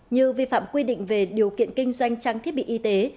như vi phạm quy định về điều kiện kinh doanh trang thiết bị y tế